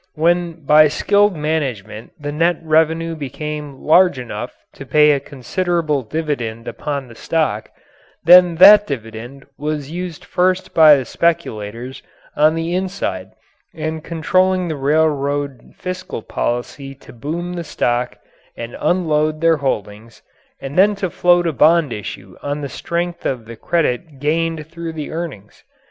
When by skilled management the net revenue became large enough to pay a considerable dividend upon the stock, then that dividend was used first by the speculators on the inside and controlling the railroad fiscal policy to boom the stock and unload their holdings, and then to float a bond issue on the strength of the credit gained through the earnings.